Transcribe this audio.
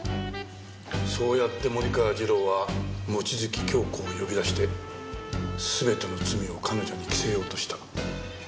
そうやって森川次郎は望月京子を呼び出して全ての罪を彼女に着せようとした。